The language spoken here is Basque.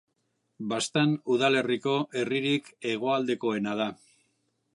Baztan udalerriko herririk hegoaldekoena da.